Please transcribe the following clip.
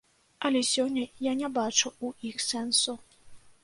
Але сёння я не бачу ў іх сэнсу.